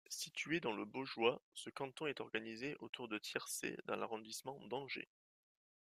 Situé dans le Baugeois, ce canton est organisé autour de Tiercé dans l'arrondissement d'Angers.